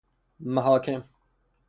محاکم